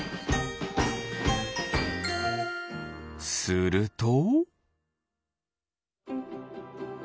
すると。